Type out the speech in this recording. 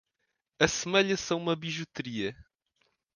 Assemelha-se a uma bijuteria